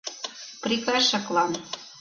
Прикашыклан.